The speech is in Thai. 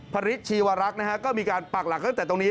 พระฤทธชีวรักษ์นะฮะก็มีการปักหลักตั้งแต่ตรงนี้